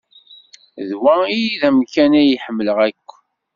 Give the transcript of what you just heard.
D wa ay d amkan ay ḥemmleɣ akk.